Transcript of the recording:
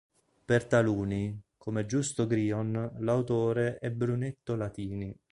Per taluni, come Giusto Grion, l'autore è Brunetto Latini.